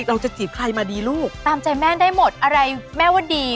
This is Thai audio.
จีบใครมาดีลูกตามใจแม่ได้หมดอะไรแม่ว่าดี